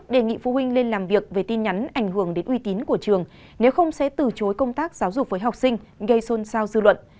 đề nghị phụ huynh lên làm việc về tin nhắn ảnh hưởng đến uy tín của trường nếu không sẽ từ chối công tác giáo dục với học sinh gây xôn xao dư luận